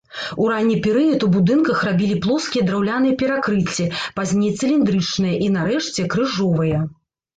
У ранні перыяд у будынках рабілі плоскія драўляныя перакрыцці, пазней цыліндрычныя і, нарэшце, крыжовыя.